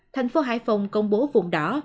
thành phố hải phòng công bố vùng đỏ